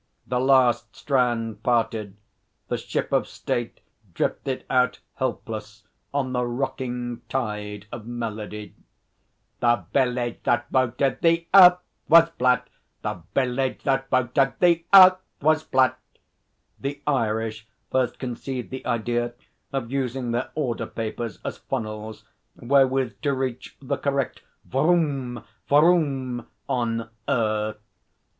The last strand parted. The ship of state drifted out helpless on the rocking tide of melody. 'The Village that voted the Earth was flat! The Village that voted the Earth was flat!' The Irish first conceived the idea of using their order papers as funnels wherewith to reach the correct 'vroom vroom' on 'Earth.'